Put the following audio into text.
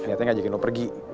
ternyata ngajakin lo pergi